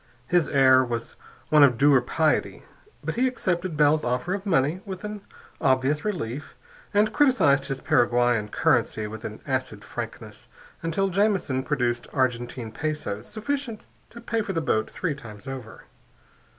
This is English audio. His air was one of dour piety, but he accepted Bell's offer of money with an obvious relief, and criticized his Paraguayan currency with an acid frankness until Jamison produced Argentine pesos sufficient to pay for the boat three times over.